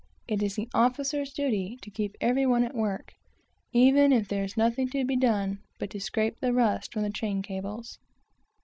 It is the officers' duty to keep every one at work, even if there is nothing to be done but to scrape the rust from the chain cables.